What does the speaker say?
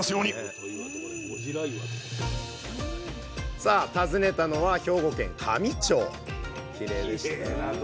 さあ訪ねたのは兵庫県香美町きれいな所。